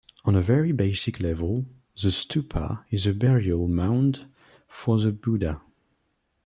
On a very basic level, the Stupa is a burial mound for the Buddha.